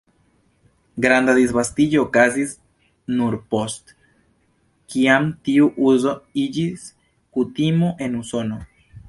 Granda disvastiĝo okazis nur post kiam tiu uzo iĝis kutimo en Usono.